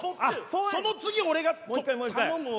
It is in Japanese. その次俺が頼むわ。